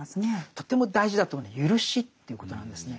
とても大事だと思うのは「ゆるし」ということなんですね。